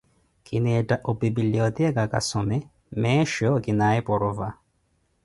kineettha opipilioteeka kasome, meesho kinaaye porova.